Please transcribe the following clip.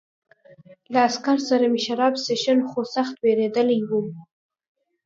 له عسکر سره مې شراب څښل خو سخت وېرېدلی وم